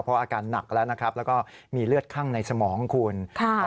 เพราะอาการหนักแล้วนะครับแล้วก็มีเลือดคั่งในสมองคุณค่ะ